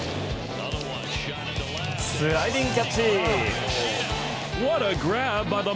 スライディングキャッチ！